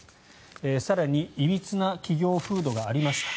更にいびつな企業風土がありました。